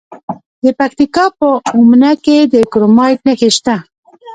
د پکتیکا په اومنه کې د کرومایټ نښې شته.